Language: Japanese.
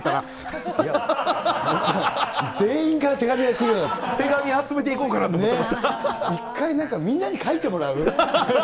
で、全員から手紙が来るようにな手紙集めていこうかなと思っ一回なんか、みんなに書いてもらう？